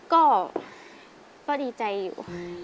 ก็ดีใจอยู่